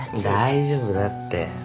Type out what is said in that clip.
大丈夫だって。